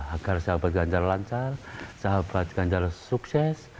agar sahabat ganjar lancar sahabat ganjar sukses